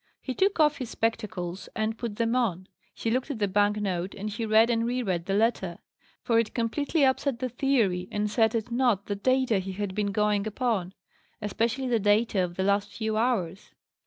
He took off his spectacles, and put them on; he looked at the bank note, and he read and re read the letter; for it completely upset the theory and set at nought the data he had been going upon; especially the data of the last few hours.